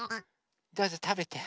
どうぞたべて。